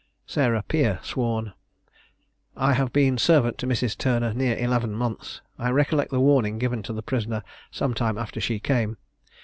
Sarah Peer sworn. I have been servant to Mrs. Turner near eleven months. I recollect the warning given to the prisoner some time after she came.